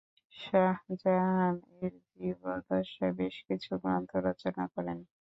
শাহজাহান তার জীবদ্দশায় বেশ কিছু গ্রন্থ রচনা করেন।